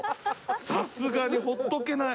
さすがにほっとけない。